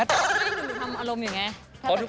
ก็ดูความกลมอย่างนี้